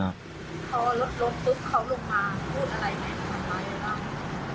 ตอนล้มปุ๊บเขาลงมาพูดอะไรไหมล้มมาอยู่ต้อง